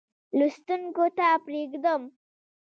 لوستونکو ته پرېږدم.